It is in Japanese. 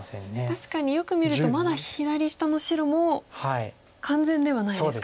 確かによく見るとまだ左下の白も完全ではないですか。